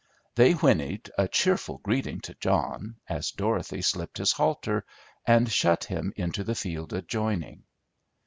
They whinnied a cheerful greeting to John as Dorothy slipped his halter and shut him into the field adjoining.